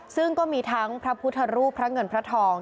ซึ่งก็มีทั้งพระพุทธรูปพระเงินพระทอง